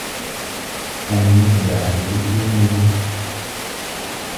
أَنْ يُتْبَعَ بِذِكْرِ الْمَلْبُوسِ